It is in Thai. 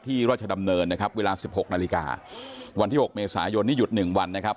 ราชดำเนินนะครับเวลาสิบหกนาฬิกาวันที่๖เมษายนนี่หยุดหนึ่งวันนะครับ